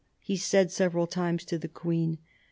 he said several times to the Queen.